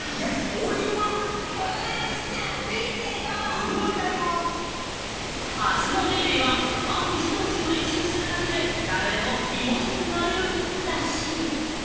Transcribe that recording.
うるおいタイプもあすの『ＤａｙＤａｙ．』はある一文字を練習するだけで誰でも美文字になれるらしい。